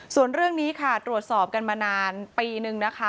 ส่วนเรื่องนี้ค่ะตรวจสอบกันมานานปีนึงนะคะ